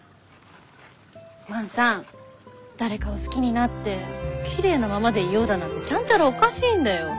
万さん誰かを好きになってきれいなままでいようだなんてちゃんちゃらおかしいんだよ。